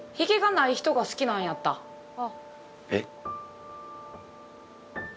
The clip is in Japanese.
えっ？